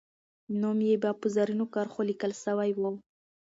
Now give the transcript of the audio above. نوم یې به په زرینو کرښو لیکل سوی وو.